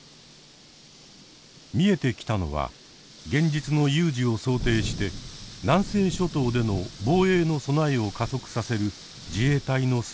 見えてきたのは現実の有事を想定して南西諸島での防衛の備えを加速させる自衛隊の姿でした。